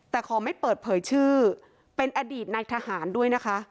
แต่ขอไม่เปิดเผยชื่อเป็นอดีตในทหารด้วยนะคะ